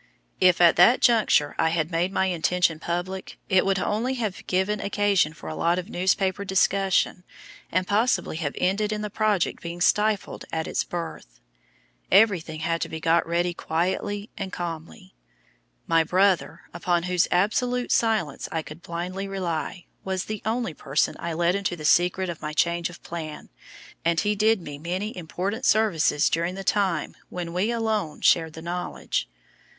If at that juncture I had made my intention public, it would only have given occasion for a lot of newspaper discussion, and possibly have ended in the project being stifled at its birth. Everything had to be got ready quietly and calmly. My brother, upon whose absolute silence I could blindly rely, was the only person I let into the secret of my change of plan, and he did me many important services during the time when we alone shared the knowledge.